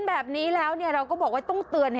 แบบนี้แล้วเราก็บอกว่าต้องเตือน